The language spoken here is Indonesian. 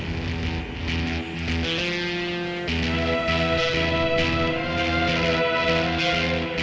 kamu juga harus berhati hati